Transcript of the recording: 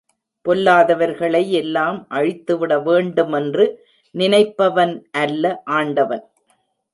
பொல்லாதவர்களை எல்லாம் அழித்துவிட வேண்டுமென்று நினைப்பவன் அல்ல ஆண்டவன்.